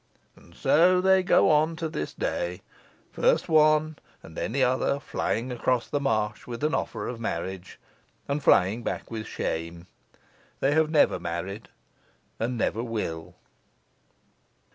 And so they go on to this day first one and then the other flying across the marsh with an offer of marriage, and flying back with shame. They have never married, and never will.